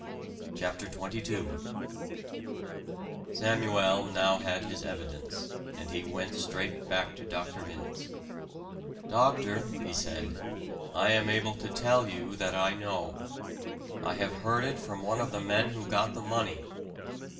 CHAPTER XXII Samuel now had his evidence; and he went straight back to Dr. Vince. "Doctor," he said, "I am able to tell you that I know. I have heard it from one of the men who got the money."